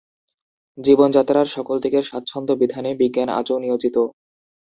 জীবনযাত্রার সকল দিকের স্বাচ্ছন্দ্য বিধানে বিজ্ঞান আজ নিয়োজিত।